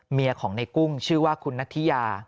เมียของในกุ้งชื่อว่าคุณนัทธิยา